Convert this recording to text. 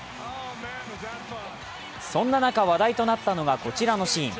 そんな中、話題となったのがこちらのシーン。